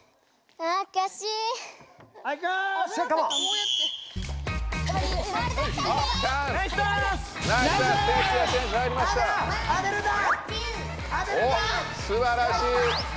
おっすばらしい！